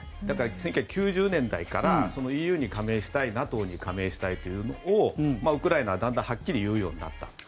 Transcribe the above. だから１９９０年代からＥＵに加盟したいＮＡＴＯに加盟したいというのをウクライナはだんだんはっきり言うようになった。